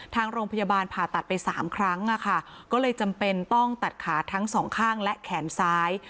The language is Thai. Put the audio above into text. ทางโรงพยาบาลผ่าตัดไป๓ครั้งก็เลยจำเป็นต้องตัดขาทั้งสองข้างและแขนซ้าย